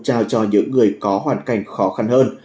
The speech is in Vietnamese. trao cho những người có hoàn cảnh khó khăn hơn